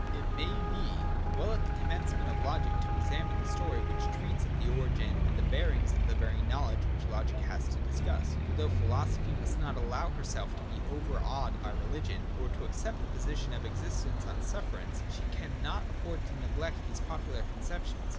It may be well at the commencement of logic to examine the story which treats of the origin and the bearings of the very knowledge which logic has to discuss. For, though philo sophy must not allow herself to be overawed by religion, or accept the position of existence on sufferance, she can not afford to neglect these popular conceptions.